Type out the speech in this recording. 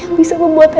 yang bisa memperbaiki